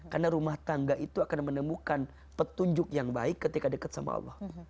karena rumah tangga itu akan menemukan petunjuk yang baik ketika deket sama allah